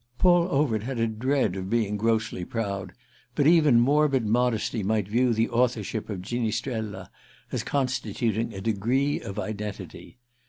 Paul Overt had a dread of being grossly proud, but even morbid modesty might view the authorship of "Ginistrella" as constituting a degree of identity.